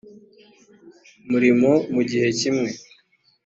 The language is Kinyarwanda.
murimo mu gihe kimwe